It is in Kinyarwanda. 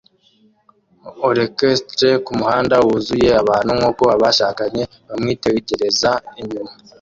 orchestre kumuhanda wuzuye abantu nkuko abashakanye bamwitegereza inyuma